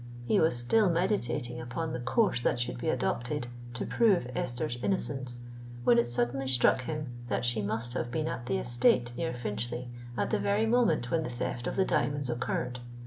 He was still meditating upon the course that should be adopted to prove Esther's innocence, when it suddenly struck him that she must have been at the estate near Finchley, at the very moment when the theft of the diamonds occurred.